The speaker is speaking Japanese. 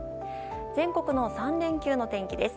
全国の３連休の天気です。